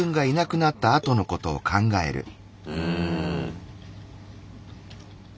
うん。